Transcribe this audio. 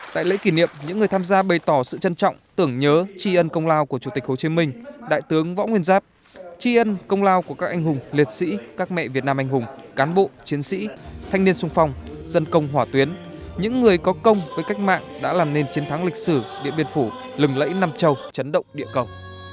tại lễ kỷ niệm những người tham gia bày tỏ sự trân trọng tưởng nhớ tri ân công lao của chủ tịch hồ chí minh đại tướng võ nguyên giáp tri ân công lao của các anh hùng liệt sĩ các mẹ việt nam anh hùng cán bộ chiến sĩ thanh niên sung phong dân công hỏa tuyến những người có công với cách mạng đã làm nên chiến thắng lịch sử điện biên phủ lừng lẫy nam châu chấn động địa cầu